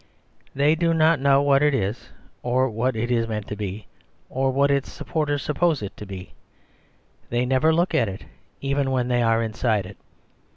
They do not know what it is, or what it is meant to be, or what its sup porters suppose it to be ; they never look at it, even when they are inside it.